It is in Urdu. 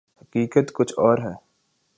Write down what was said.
حقیقت کچھ اور ہے۔